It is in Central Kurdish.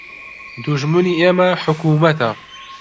دوژمنی ئێمە حکومەتە